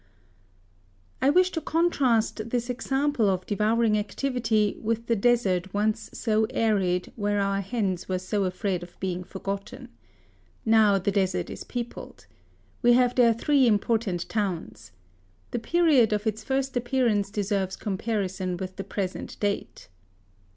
I wish to contrast this example THE SUEZ CANAIy 25 of devouring activity with the desert once so arid where our hens were so afraid of being forgotten. Now the desert is peopled. We have there three important towns. The period of its first appearance deserves com parison with the present date.